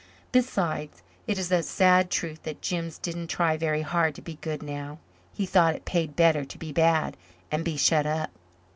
Besides, it is a sad truth that Jims didn't try very hard to be good now. He thought it paid better to be bad and be shut up.